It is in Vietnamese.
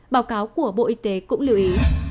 báo cáo của bộ y tế cũng lưu ý